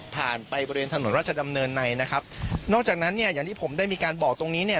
ไปบริเวณถนนราชดำเนินในนะครับนอกจากนั้นเนี่ยอย่างที่ผมได้มีการบอกตรงนี้เนี่ย